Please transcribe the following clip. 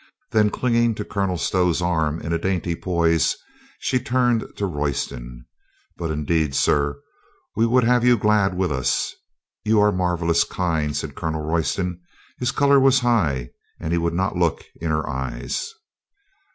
Then, clinging to Colonel Stow's arm in a dainty poise, she turned to Royston. "But, indeed, sir, we would have you glad with us." i66 COLONEL GREATHEART "You are marvelous kind," said Colonel Royston, His color was high, and he would not look in her eyes.